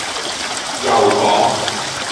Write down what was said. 又講